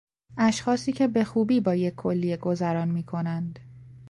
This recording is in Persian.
اشخاصی که به خوبی با یک کلیه گذران میکنند